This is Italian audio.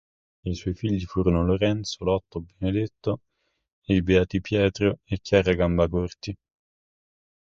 I suoi figli furono Lorenzo, Lotto, Benedetto e i beati Pietro e Chiara Gambacorti.